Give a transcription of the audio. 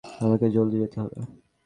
আমাকে জলদি যেতে হবে।